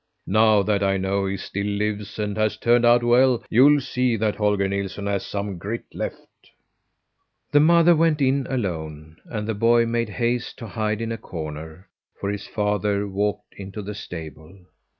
Now that I know he still lives and has turned out well, you'll see that Holger Nilsson has some grit left." The mother went in alone, and the boy made haste to hide in a corner, for his father walked into the stable.